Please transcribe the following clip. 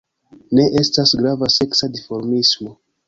Ne estas grava seksa dimorfismo.